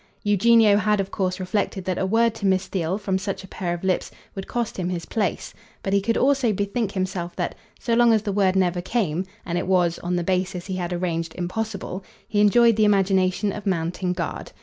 Eugenio had of course reflected that a word to Miss Theale from such a pair of lips would cost him his place; but he could also bethink himself that, so long as the word never came and it was, on the basis he had arranged, impossible he enjoyed the imagination of mounting guard.